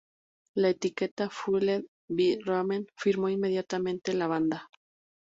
La etiqueta Fueled by Ramen firmó inmediatamente la banda.